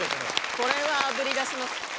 これはあぶり出せます。